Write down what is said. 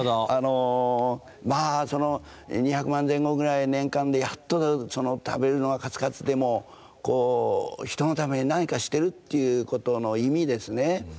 あのまあその２００万前後ぐらい年間でやっと食べるのがカツカツでも人のために何かしてるっていうことの意味ですね。